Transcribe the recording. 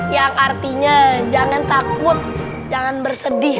yang artinya jangan takut jangan bersedih